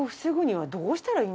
はい。